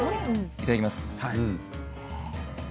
いただきます。